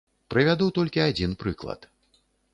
Прывяду толькі адзін прыклад.